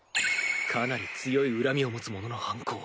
かなり強い恨みを持つ者の犯行。